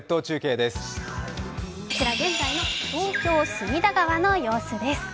こちら現在の東京・隅田川の様子です。